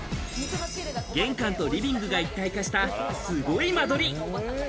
玄関とリビングが一体化した、すごい間取り。